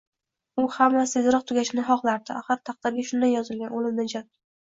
U hammasi tezroq tugashini xohlardi, axir taqdirga shunday yozilgan, o`lim najot